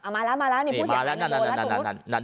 มาแล้วนี่ผู้เสียหายโดนแล้วตรงนี้